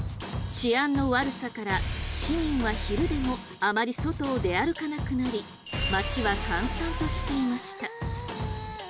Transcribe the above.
治安の悪さから市民は昼でもあまり外を出歩かなくなり街は閑散としていました。